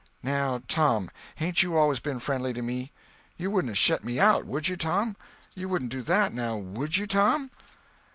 "Now, Tom, hain't you always ben friendly to me? You wouldn't shet me out, would you, Tom? You wouldn't do that, now, would you, Tom?"